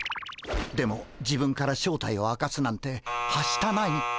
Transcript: でも自分から正体を明かすなんてはしたない。